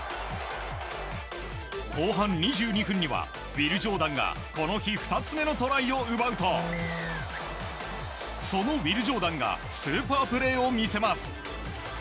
後半２２分にはウィル・ジョーダンがこの日２つ目のトライを奪うとそのウィル・ジョーダンがスーパープレーを見せます。